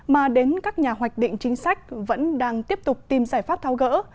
mà đến các nhà hoạch định chính sách vẫn đang tiếp tục tìm giải pháp tháo gỡ